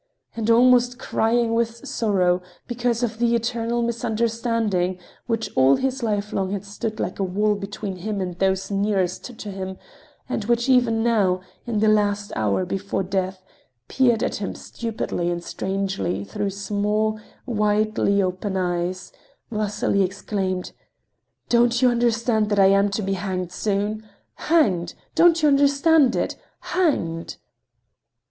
And almost crying with sorrow—because of the eternal misunderstanding which all his life long had stood like a wall between him and those nearest to him, and which even now, in the last hour before death, peered at him stupidly and strangely through small, widely opened eyes—Vasily exclaimed: "Don't you understand that I am to be hanged soon? Hanged! Do you understand it? Hanged!"